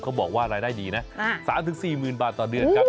บอกว่ารายได้ดีนะ๓๔๐๐๐บาทต่อเดือนครับ